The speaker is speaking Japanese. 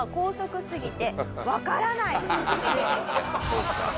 そうか。